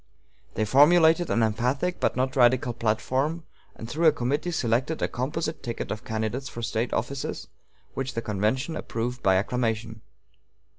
They formulated an emphatic but not radical platform, and through a committee selected a composite ticket of candidates for State offices, which the convention approved by acclamation.